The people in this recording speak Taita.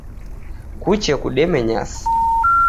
Kuche kudeme nyasi